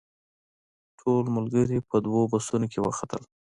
ټول ملګري په دوو بسونو کې وختل.